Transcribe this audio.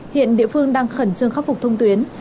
hiện địa phương đang khẩn trương khắc phục thông tuyến